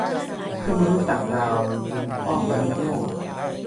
เพื่อนมนุษย์ต่างดาวยิงอ้อมมนุษย์โลก !